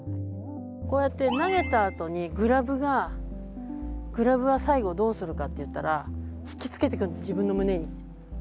こうやって投げたあとにグラブは最後どうするかっていったら引きつけてくるの自分の胸に。